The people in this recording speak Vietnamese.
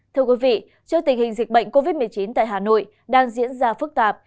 thưa quý vị trước tình hình dịch bệnh covid một mươi chín tại hà nội đang diễn ra phức tạp